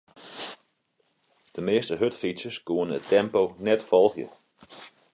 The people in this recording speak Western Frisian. De measte hurdfytsers koene it tempo net folgje.